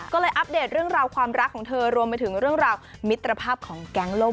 ก็เลยอัปเดตเรื่องราวความรักของเธอรวมไปถึงเรื่องราวมิตรภาพของแก๊งล่ม